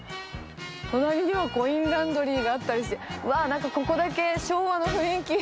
隣にはコインランドリーがあったりして、わー、なんかここだけ昭和の雰囲気。